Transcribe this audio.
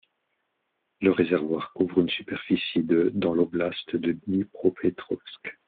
Le réservoir couvre une superficie de dans l'oblast de Dnipropetrovsk.